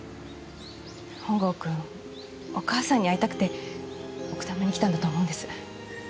本郷くんお母さんに会いたくて奥多摩に来たんだと思うんです。